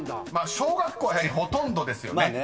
［小学校はやはりほとんどですよね］